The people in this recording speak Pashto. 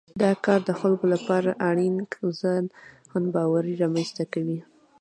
دا کار د خلکو لپاره اړین ځان باور رامنځته کوي.